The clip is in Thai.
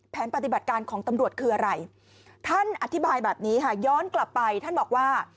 แผนปฏิบัติการของตำรวจคืออะไรท่านอธิบายแบบนี้ค่ะย้อนกลับไปท่านบอกว่า